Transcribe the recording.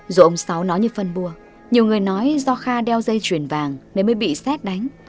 dù ông sáu nói như phân bua nhiều người nói do kha đeo dây chuyền vàng nên mới bị xét đánh